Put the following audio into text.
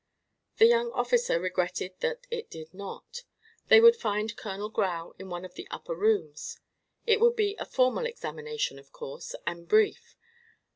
The young officer regretted that it did not. They would find Colonel Grau in one of the upper rooms. It would be a formal examination, of course, and brief.